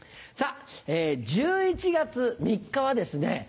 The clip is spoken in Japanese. １１月３日はですね